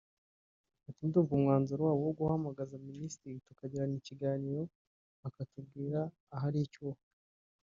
Ati “ Ndumva umwanzuro waba uwo guhamagaza Minisitiri tukagirana ikiganiro akatubwira ahari icyuho